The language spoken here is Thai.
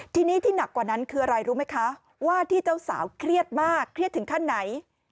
ทีนี้ที่หนักกว่านั้นคืออะไรรู้ไหมคะว่าที่เจ้าสาวเครียดมากเครียดถึงขั้นไหน